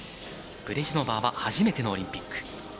ブレジノバーは初めてのオリンピック。